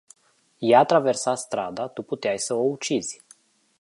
Ea traversa strada, tu puteai sa o ucizi.